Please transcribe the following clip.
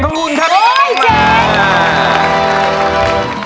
เพลงเก่งของคุณครับ